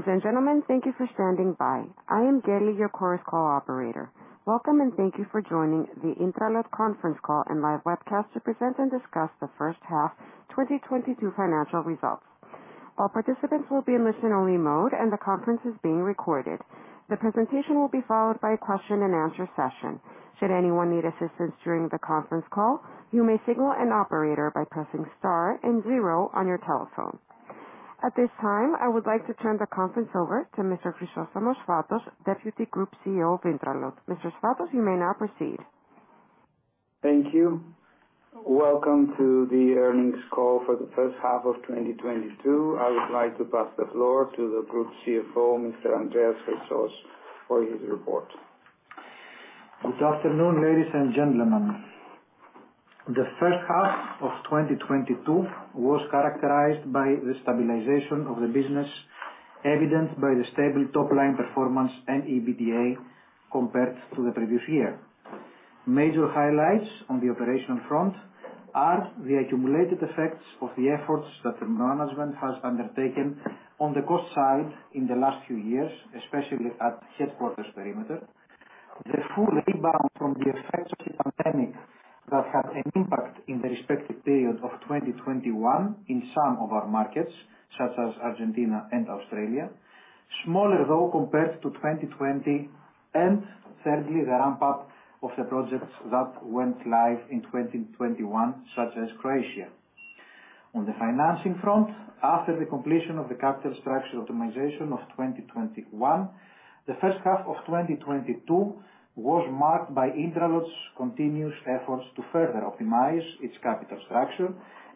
Ladies and gentlemen, thank you for standing by. I am Kelly, your Chorus Call operator. Welcome, and thank you for joining the Intralot conference call and live webcast to present and discuss the first half 2022 financial results. All participants will be in listen only mode, and the conference is being recorded. The presentation will be followed by a question and answer session. Should anyone need assistance during the conference call, you may signal an operator by pressing star and 0 on your telephone. At this time, I would like to turn the conference over to Mr. Chrysostomos Sfatos, Deputy Group CEO of Intralot. Mr. Sfatos, you may now proceed. Thank you. Welcome to the earnings call for the first half of 2022. I would like to pass the floor to the Group CFO, Mr. Andreas Chrysos, for his report. Good afternoon, ladies and gentlemen. The first half of 2022 was characterized by the stabilization of the business, evident by the stable top line performance and EBITDA compared to the previous year. Major highlights on the operational front are the accumulated effects of the efforts that the management has undertaken on the cost side in the last few years, especially at headquarters perimeter. The full rebound from the effects of the pandemic that had an impact in the respective period of 2021 in some of our markets, such as Argentina and Australia, smaller, though, compared to 2020. Thirdly, the ramp up of the projects that went live in 2021, such as Croatia. On the financing front, after the completion of the capital structure optimization of 2021, the first half of 2022 was marked by Intralot's continuous efforts to further optimize its capital structure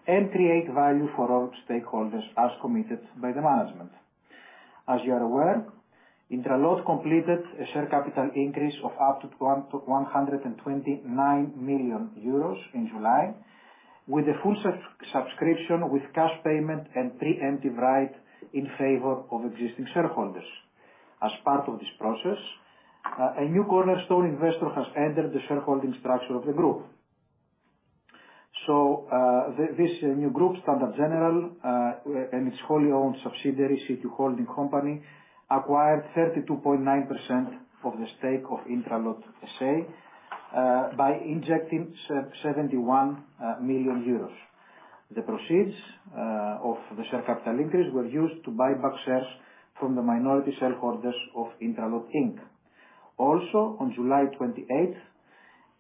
and create value for all stakeholders as committed by the management. As you are aware, Intralot completed a share capital increase of up to 129 million euros in July, with full subscription, with cash payment and preemptive right in favor of existing shareholders. As part of this process, a new cornerstone investor has entered the shareholding structure of the group. This new group, Standard General, and its wholly owned subsidiary, CT Holding Company, acquired 32.9% of the stake of Intralot S.A., by injecting 71 million euros. The proceeds of the share capital increase were used to buy back shares from the minority shareholders of Intralot, Inc. Also, on July 28th,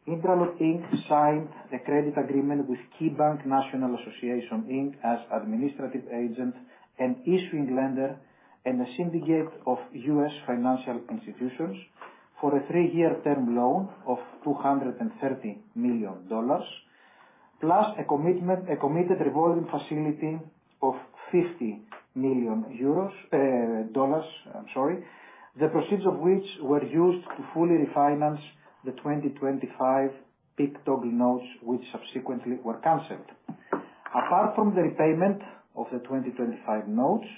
Intralot, Inc. signed a credit agreement with KeyBank National Association as administrative agent and issuing lender and a syndicate of U.S. financial institutions for a three-year term loan of $230 million, plus a committed revolving facility of $50 million. The proceeds of which were used to fully refinance the 2025 PIK toggle notes, which subsequently were canceled. Apart from the repayment of the 2025 notes,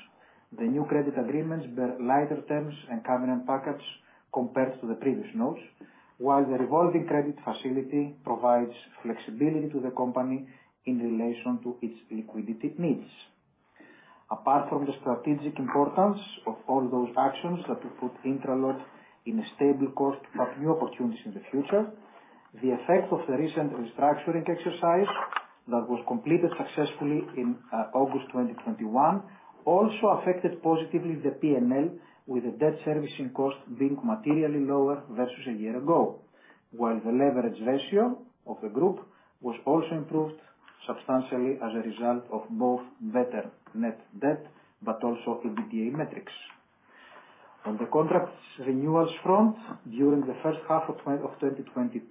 the new credit agreements bear lighter terms and covenant package compared to the previous notes, while the revolving credit facility provides flexibility to the company in relation to its liquidity needs. Apart from the strategic importance of all those actions that will put Intralot in a stable course for new opportunities in the future, the effect of the recent restructuring exercise that was completed successfully in August 2021 also affected positively the P&L, with the debt servicing cost being materially lower versus a year ago, while the leverage ratio of the group was also improved substantially as a result of both better net debt but also EBITDA metrics. On the contract renewals front, during the first half of 2022,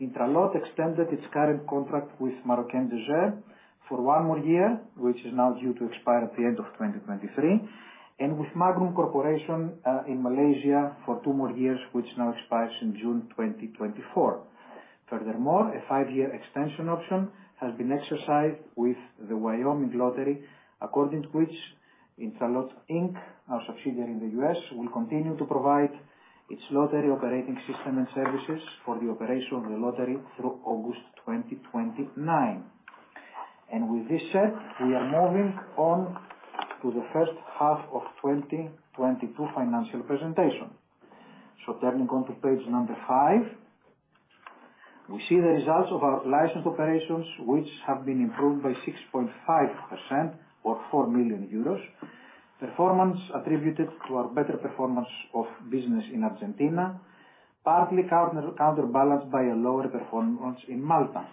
Intralot extended its current contract with La Marocaine des Jeux et des Sports for one more year, which is now due to expire at the end of 2023, and with Magnum Corporation in Malaysia for two more years, which now expires in June 2024. Furthermore, a five-year extension option has been exercised with the Wyoming Lottery, according to which Intralot, Inc., our subsidiary in the U.S., will continue to provide its lottery operating system and services for the operation of the lottery through August 2029. With this said, we are moving on to the first half of 2022 financial presentation. Turning to page number five, we see the results of our licensed operations, which have been improved by 6.5% or 4 million euros. Performance attributed to our better performance of business in Argentina, partly counterbalanced by a lower performance in Malta.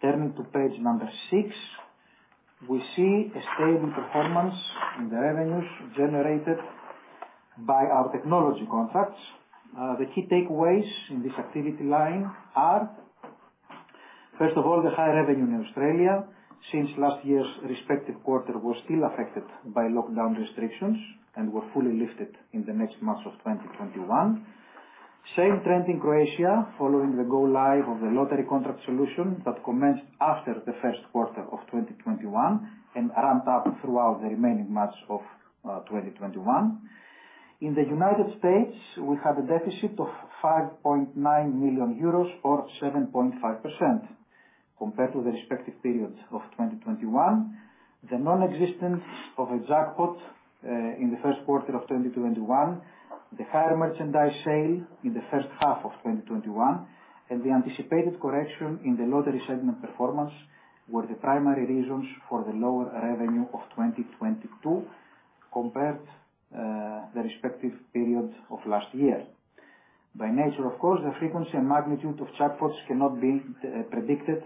Turning to page number six, we see a stable performance in the revenues generated by our technology contracts. The key takeaways in this activity line are, first of all, the high revenue in Australia since last year's respective quarter was still affected by lockdown restrictions and were fully lifted in the next months of 2021. Same trend in Croatia, following the go live of the lottery contract solution that commenced after the first quarter of 2021 and ramped up throughout the remaining months of 2021. In the U.S., we have a deficit of 5.9 million euros or 7.5% compared to the respective periods of 2021. The non-existence of a jackpot in the first quarter of 2021, the higher merchandise sale in the first half of 2021, and the anticipated correction in the lottery segment performance were the primary reasons for the lower revenue of 2022 compared to the respective periods of last year. By nature, of course, the frequency and magnitude of jackpots cannot be predicted,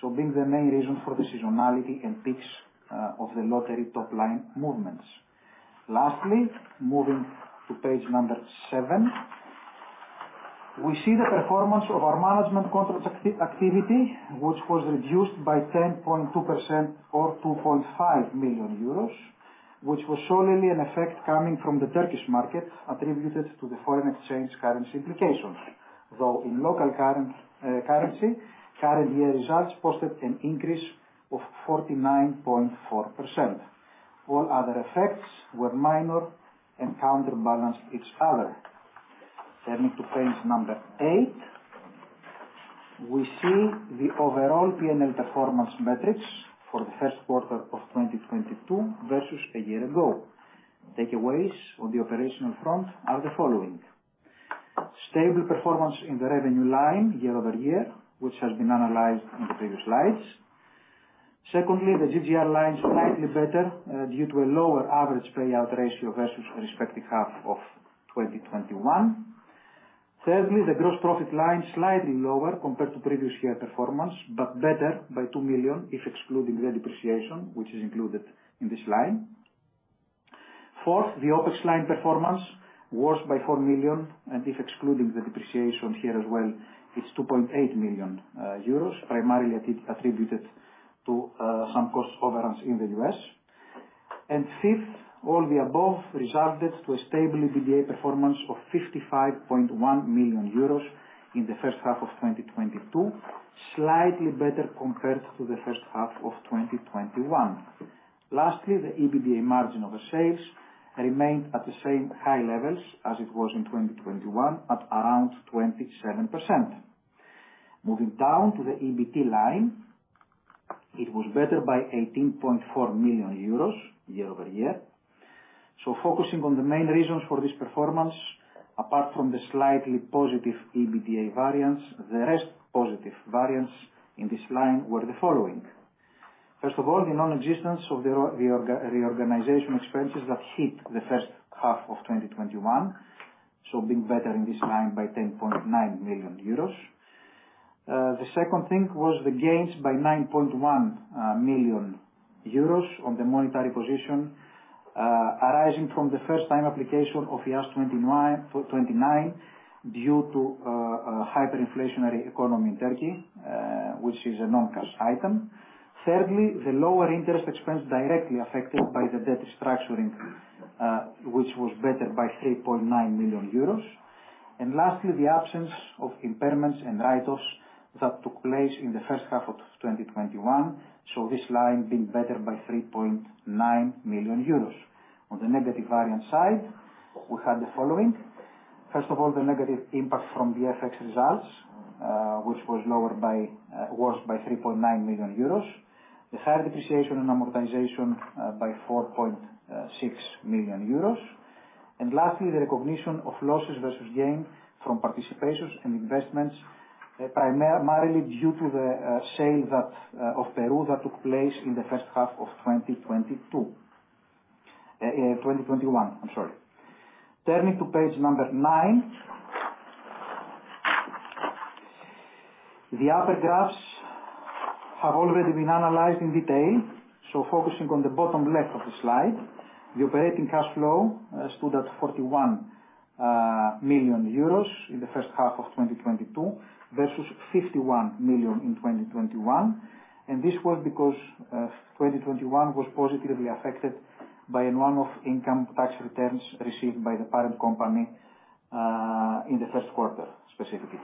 so being the main reason for the seasonality and peaks of the lottery top line movements. Lastly, moving to page number seven, we see the performance of our management contract activity, which was reduced by 10.2% or 2.5 million euros, which was solely an effect coming from the Turkish market attributed to the foreign exchange currency implications. Though in local currency, current year results posted an increase of 49.4%. All other effects were minor and counterbalanced each other. Turning to page number eight, we see the overall P&L performance metrics for the first quarter of 2022 versus a year ago. Takeaways on the operational front are the following: Stable performance in the revenue line year-over-year, which has been analyzed in the previous slides. Secondly, the GGR line is slightly better due to a lower average payout ratio versus the respective half of 2021. Thirdly, the gross profit line is slightly lower compared to previous year performance, but better by 2 million if excluding the depreciation, which is included in this line. Fourth, the OpEx line performance worse by 4 million, and if excluding the depreciation here as well, it's 2.8 million euros, primarily attributed to some cost overruns in the U.S. Fifth, all the above resulted to a stable EBITDA performance of 55.1 million euros in the first half of 2022, slightly better compared to the first half of 2021. Lastly, the EBITDA margin of sales remained at the same high levels as it was in 2021 at around 27%. Moving down to the EBT line, it was better by 18.4 million euros year-over-year. Focusing on the main reasons for this performance, apart from the slightly positive EBITDA variance, the rest positive variance in this line were the following. First of all, the non-existence of the reorganization expenses that hit the first half of 2021, being better in this line by 10.9 million euros. The second thing was the gains of 9.1 million euros on the monetary position, arising from the first time application of IAS 29 due to hyperinflationary economy in Turkey, which is a non-cash item. Thirdly, the lower interest expense directly affected by the debt restructuring, which was better by 3.9 million euros. Lastly, the absence of impairments and write-offs that took place in the first half of 2021, so this line being better by 3.9 million euros. On the negative variance side, we had the following. First of all, the negative impact from the FX results, which was worse by 3.9 million euros, the higher depreciation and amortization by 4.6 million euros. And lastly, the recognition of losses versus gain from participations and investments, primarily due to the sale of Peru that took place in the first half of 2021. I'm sorry. Turning to page number nine, the other graphs have already been analyzed in detail, so focusing on the bottom left of the slide, the operating cash flow stood at 41 million euros in the first half of 2022 versus 51 million in 2021. This was because, 2021 was positively affected by a one-off income tax returns received by the parent company in the first quarter, specifically.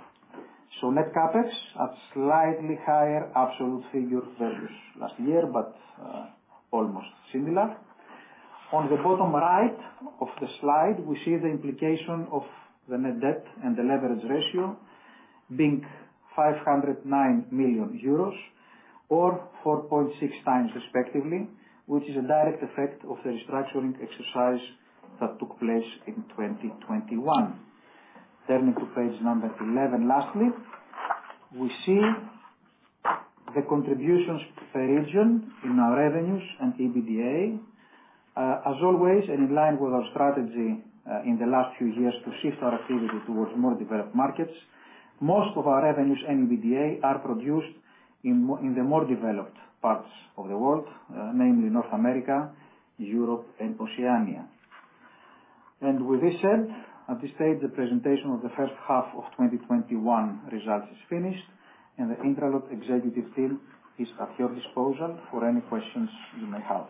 Net CapEx at slightly higher absolute figure versus last year, but almost similar. On the bottom right of the slide, we see the implication of the net debt and the leverage ratio being EUR 509 million or 4.6x respectively, which is a direct effect of the restructuring exercise that took place in 2021. Turning to page number 11, lastly, we see the contributions per region in our revenues and EBITDA. As always, and in line with our strategy, in the last few years to shift our activity towards more developed markets, most of our revenues and EBITDA are produced in the more developed parts of the world, namely North America, Europe, and Oceania. With this said, at this stage, the presentation of the first half of 2021 results is finished and the Intralot executive team is at your disposal for any questions you may have.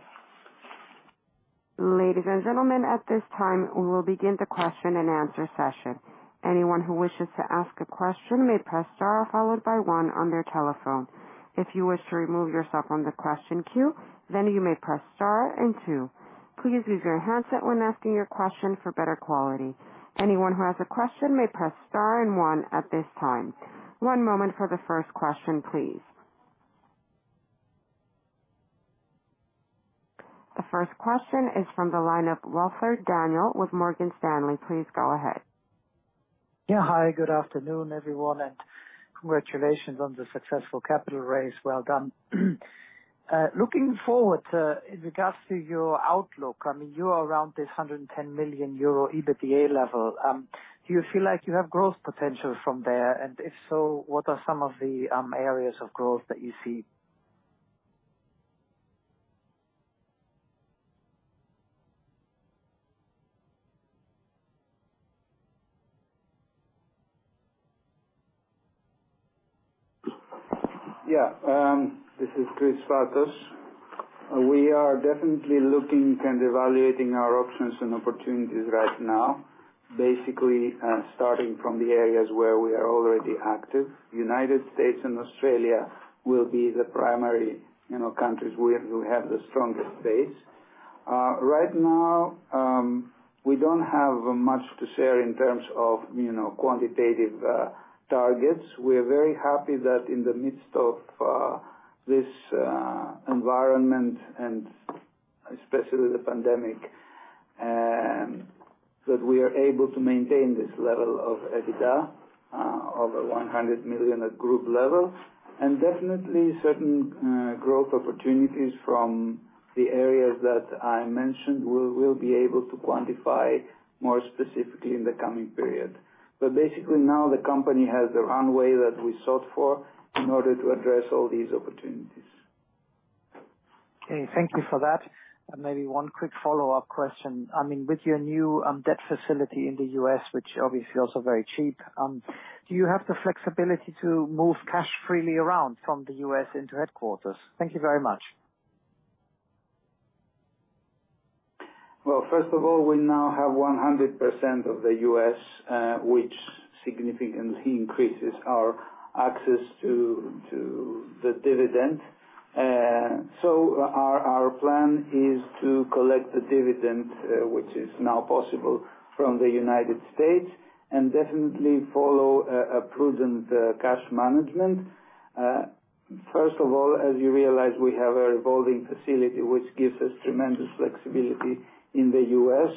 Ladies and gentlemen, at this time we will begin the question and answer session. Anyone who wishes to ask a question may press star followed by one on their telephone. If you wish to remove yourself from the question queue, then you may press star and two. Please use your handset when asking your question for better quality. Anyone who has a question may press star and one at this time. One moment for the first question, please. The first question is from the line of Daniel Welford with Morgan Stanley. Please go ahead. Yeah. Hi, good afternoon, everyone, and congratulations on the successful capital raise. Well done. Looking forward, in regards to your outlook, I mean, you are around this 110 million euro EBITDA level. Do you feel like you have growth potential from there? If so, what are some of the areas of growth that you see? Yeah. This is Chrysostomos Sfatos. We are definitely looking and evaluating our options and opportunities right now. Basically, starting from the areas where we are already active. U.S. and Australia will be the primary, you know, countries where we have the strongest base. Right now, we don't have much to share in terms of, you know, quantitative targets. We're very happy that in the midst of this environment and especially the pandemic, that we are able to maintain this level of EBITDA over 100 million at group level. Definitely certain growth opportunities from the areas that I mentioned, we'll be able to quantify more specifically in the coming period. Basically now the company has the runway that we sought for in order to address all these opportunities. Okay. Thank you for that. Maybe one quick follow-up question. I mean, with your new debt facility in the U.S., which obviously also very cheap, do you have the flexibility to move cash freely around from the U.S. into headquarters? Thank you very much. Well, first of all, we now have 100% of the U.S., which significantly increases our access to the dividend. Our plan is to collect the dividend, which is now possible from the U.S., and definitely follow a prudent cash management. First of all, as you realize, we have a revolving facility which gives us tremendous flexibility in the U.S.,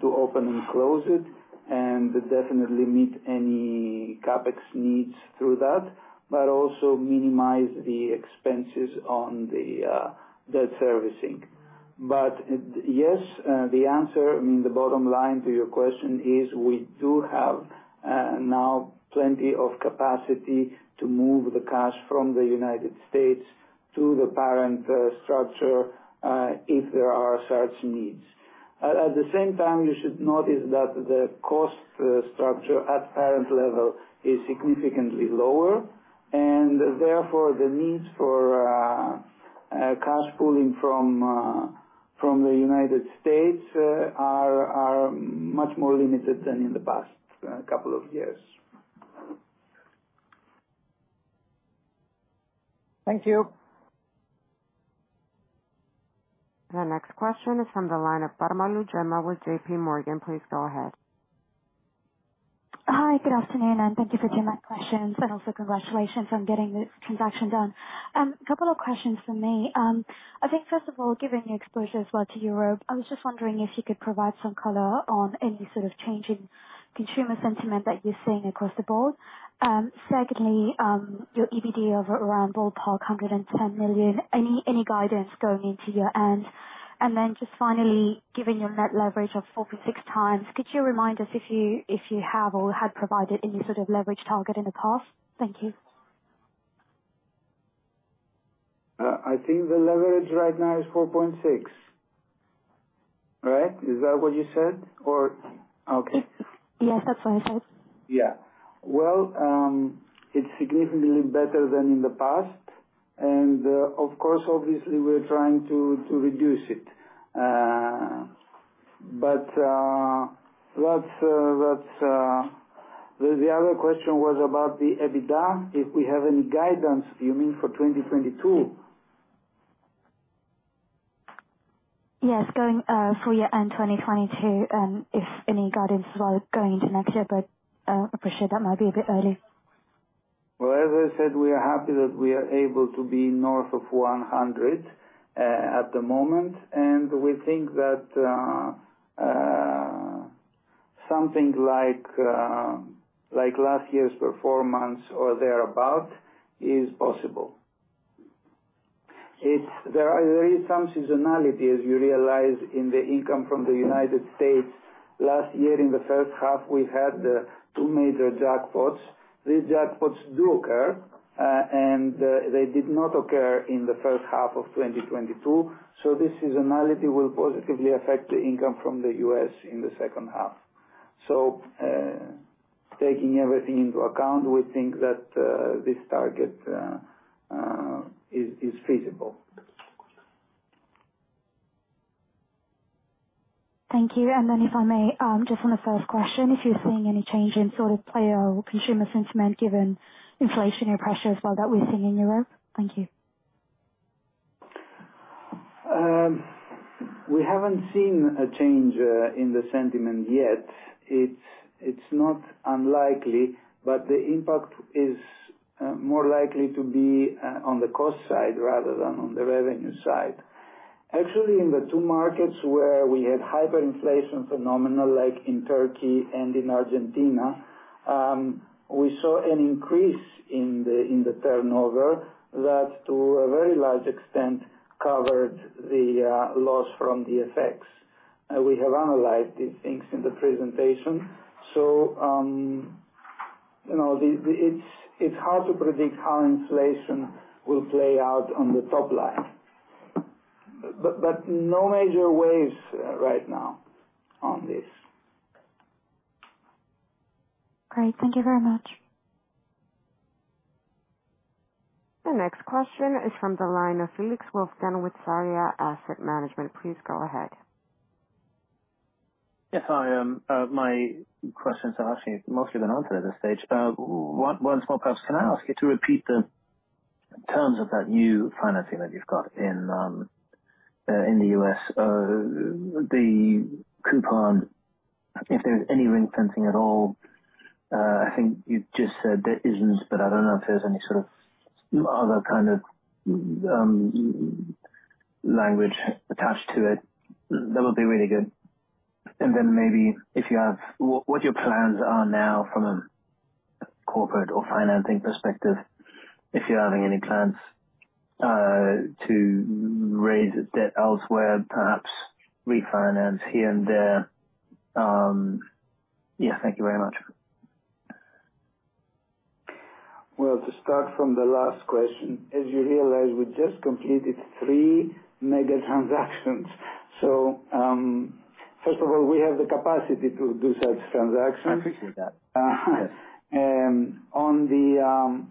to open and close it, and definitely meet any CapEx needs through that, but also minimize the expenses on the debt servicing. Yes, the answer, I mean, the bottom line to your question is we do have now plenty of capacity to move the cash from the U.S. to the parent structure, if there are such needs. At the same time, you should notice that the cost structure at parent level is significantly lower and therefore the needs for cash pooling from the U.S. are much more limited than in the past couple of years. Thank you. The next question is from the line of Jemma Permalloo with J.P. Morgan. Please go ahead. Hi. Good afternoon, and thank you for taking my questions, and also congratulations on getting the transaction done. A couple of questions from me. I think first of all, given your exposure as well to Europe, I was just wondering if you could provide some color on any sort of change in consumer sentiment that you're seeing across the board. Secondly, your EBITDA of around ballpark 110 million, any guidance going into your year-end? And then just finally, given your net leverage of 46x, could you remind us if you have or had provided any sort of leverage target in the past? Thank you. I think the leverage right now is 4.6. Right? Is that what you said? Okay. Yes. That's what I said. Yeah. Well, it's significantly better than in the past. Of course, obviously we're trying to reduce it. The other question was about the EBITDA, if we have any guidance. Do you mean for 2022? Yes. Going full year and 2022, if any guidance as well going into next year, but appreciate that might be a bit early. Well, as I said, we are happy that we are able to be north of 100 at the moment. We think that something like last year's performance or thereabout is possible. There is some seasonality, as you realize, in the income from the U.S. Last year, in the first half, we had two major jackpots. These jackpots do occur, and they did not occur in the first half of 2022. This seasonality will positively affect the income from the U.S. in the second half. Taking everything into account, we think that this target is feasible. Thank you. If I may, just on the first question, if you're seeing any change in sort of player or consumer sentiment given inflationary pressures as well that we're seeing in Europe? Thank you. We haven't seen a change in the sentiment yet. It's not unlikely, but the impact is more likely to be on the cost side rather than on the revenue side. Actually, in the two markets where we had hyperinflation phenomena like in Turkey and in Argentina, we saw an increase in the turnover that to a very large extent covered the loss from the effects. We have analyzed these things in the presentation. You know, it's hard to predict how inflation will play out on the top line, but no major waves right now on this. Great. Thank you very much. The next question is from the line of Felix Wolfgang with Sarria Asset Management. Please go ahead. Yes, hi, my questions are actually mostly been answered at this stage. One small question, can I ask you to repeat the terms of that new financing that you've got in the U.S. The coupon, if there's any ring-fencing at all. I think you've just said there isn't, but I don't know if there's any sort of other kind of language attached to it. That would be really good. Maybe if you have what your plans are now from a corporate or financing perspective, if you're having any plans to raise debt elsewhere, perhaps refinance here and there. Yeah. Thank you very much. Well, to start from the last question, as you realize, we just completed three mega transactions. First of all, we have the capacity to do such transactions. I figured that. Yes. On the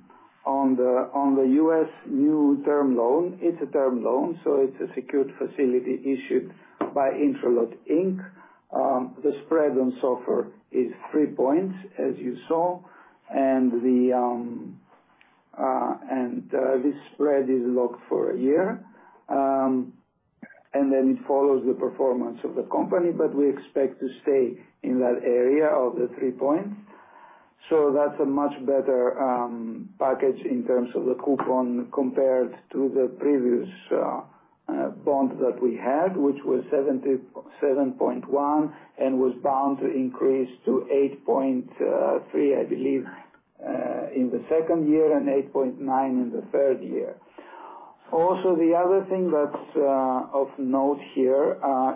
U.S. new term loan, it's a term loan, so it's a secured facility issued by Intralot, Inc. The spread on SOFR is three points, as you saw, and this spread is locked for a year. It follows the performance of the company, but we expect to stay in that area of the three points. That's a much better package in terms of the coupon compared to the previous bond that we had, which was 7.1 and was bound to increase to 8.3, I believe, in the second year and 8.9 in the third year. Also the other thing that's of note here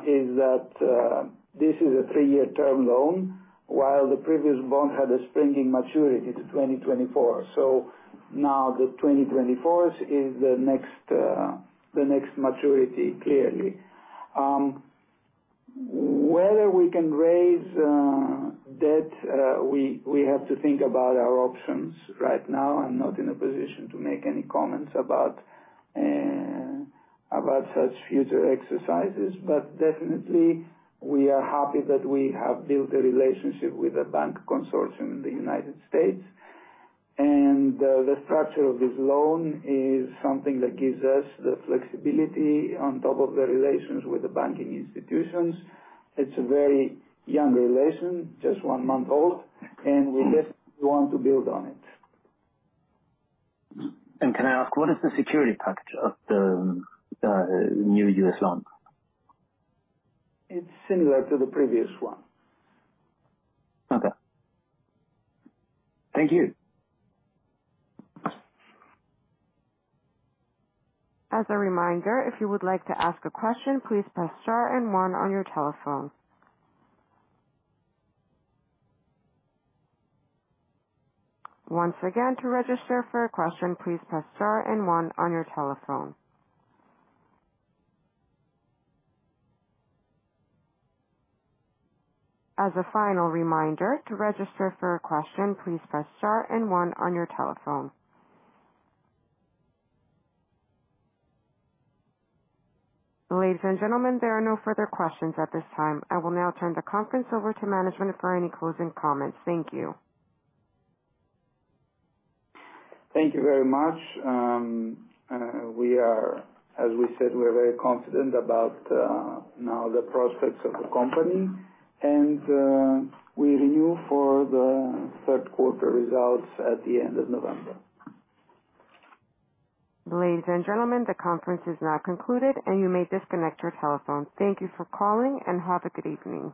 is that this is a three-year term loan while the previous bond had a springing maturity to 2024. Now the 2024 is the next maturity, clearly. Whether we can raise debt, we have to think about our options right now. I'm not in a position to make any comments about such future exercises, but definitely we are happy that we have built a relationship with a bank consortium in the U.S. The structure of this loan is something that gives us the flexibility on top of the relations with the banking institutions. It's a very young relation, just one month old, and we definitely want to build on it. Can I ask, what is the security package of the new U.S. loan? It's similar to the previous one. Okay. Thank you. As a reminder, if you would like to ask a question, please press star and one on your telephone. Once again, to register for a question, please press star and one on your telephone. As a final reminder, to register for a question, please press star and one on your telephone. Ladies and gentlemen, there are no further questions at this time. I will now turn the conference over to management for any closing comments. Thank you. Thank you very much. We are, as we said, we're very confident about now the prospects of the company. We review for the third quarter results at the end of November. Ladies and gentlemen, the conference is now concluded, and you may disconnect your telephone. Thank you for calling, and have a good evening.